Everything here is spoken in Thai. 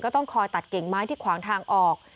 ต้องคอยตัดกิ่งไม้ที่ขวางทางออก